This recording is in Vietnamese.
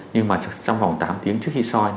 nhưng mà trong vòng tám tiếng trước khi soi